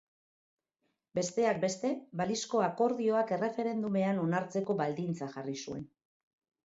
Besteak beste, balizko akordioak erreferendumean onartzeko baldintza jarri zuen.